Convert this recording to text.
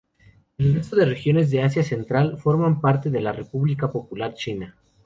El resto de regiones de Asia Central forman parte de la República Popular China.